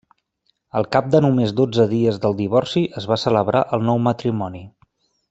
Al cap de només dotze dies del divorci es va celebrar el nou matrimoni.